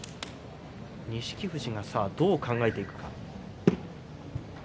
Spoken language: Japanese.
錦富士がどう考えていくか。